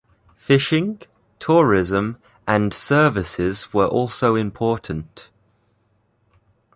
Fishing, tourism and services were also important.